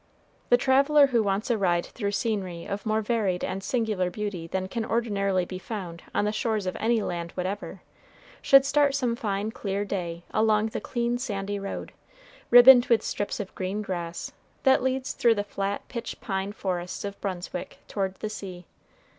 The traveler who wants a ride through scenery of more varied and singular beauty than can ordinarily be found on the shores of any land whatever, should start some fine clear day along the clean sandy road, ribboned with strips of green grass, that leads through the flat pitch pine forests of Brunswick toward the sea.